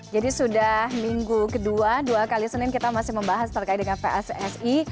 jadi sudah minggu kedua dua kali senin kita masih membahas terkait dengan pssi